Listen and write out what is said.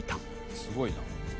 「すごいな」